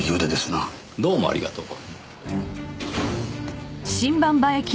どうもありがとう。